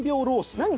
何？